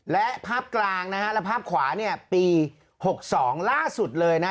และภาพกลางนะฮะและภาพขวาเนี่ยปี๖๒ล่าสุดเลยนะ